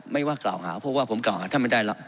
ไม่ว่ากล่าวหาเพราะว่าผมกล่าวหาท่านไม่ได้แล้ว